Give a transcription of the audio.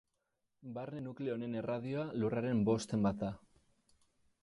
Barne nukleo honen erradioa lurraren bosten bat da.